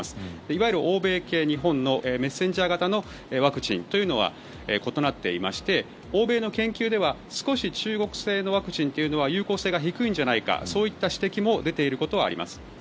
いわゆる欧米系、日本のメッセンジャー型のワクチンとは異なっていまして欧米の研究では少し中国製のワクチンは有効性が低いんじゃないかそういった指摘も出ていることはあります。